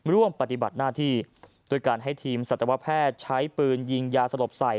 ร่วมปฏิบัติหน้าที่ด้วยการให้ทีมสัตวแพทย์ใช้ปืนยิงยาสลบใส่